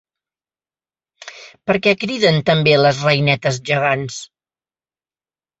Per què criden també les reinetes gegants?